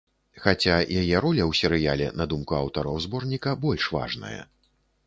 Хаця яе роля ў серыяле, на думку аўтараў зборніка, больш важная.